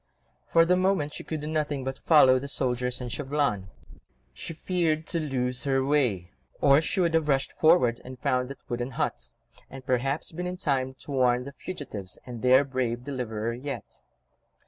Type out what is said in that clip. For the moment she could do nothing but follow the soldiers and Chauvelin. She feared to lose her way, or she would have rushed forward and found that wooden hut, and perhaps been in time to warn the fugitives and their brave deliverer yet.